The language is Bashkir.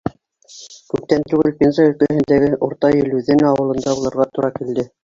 Күптән түгел Пенза өлкәһендәге Урта Елүҙән ауылында булырға тура килде.